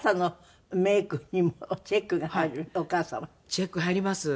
チェック入ります。